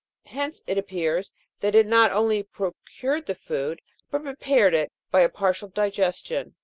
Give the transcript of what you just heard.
Hence it appears that it not only procured the food, but prepared it by a partial digestion.